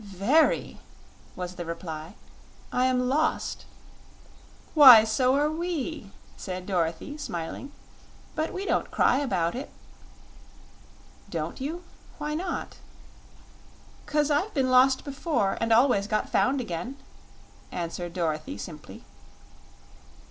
"Very!" was the reply; "I am lost." "Why, so are we," said Dorothy, smiling; "but we don't cry about it." "Don't you? Why not?" "'Cause I've been lost before, and always got found again," answered Dorothy simply.